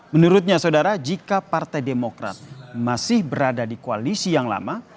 menurutnya saudara jika partai demokrat masih berada di koalisi yang lama